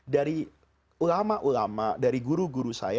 dari ulama ulama dari guru guru saya